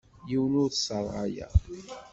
Yiwen ur t-sserɣayeɣ.